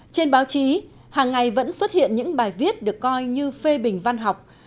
trên báo chí hàng ngày vẫn xuất hiện những bài viết được coi như phê bình văn học